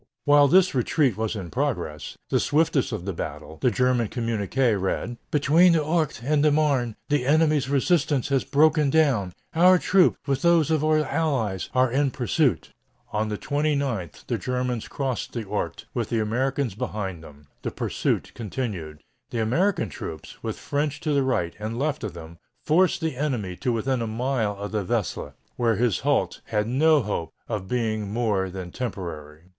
While this retreat was in progress, the swiftest of the battle, the German communiqué read: "Between the Ourcq and the Marne, the enemy's resistance has broken down. Our troops, with those of our allies, are in pursuit." On the 29th the Germans crossed the Ourcq, with the Americans behind them. The "pursuit" continued. The American troops, with French to the right and left of them, forced the enemy to within a mile of the Vesle, where his halt had no hope of being more than temporary.